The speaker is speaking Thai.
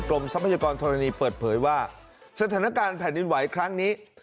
ทรัพยากรธรณีเปิดเผยว่าสถานการณ์แผ่นดินไหวครั้งนี้